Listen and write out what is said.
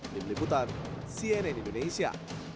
dibeliputan cnn indonesia